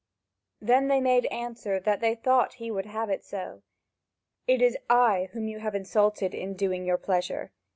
Then they made answer that they thought he would have it so. "It is I whom you have insulted in doing your pleasure.